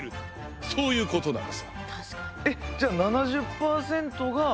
そういうことなのさ。